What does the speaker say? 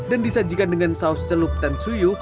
dan disajikan dengan saus celup tensuyu